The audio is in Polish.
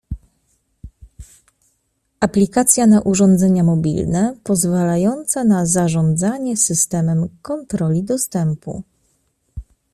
Aplikacja na urządzenia mobilne, pozwalająca na zarządzanie systemem kontroli dostępu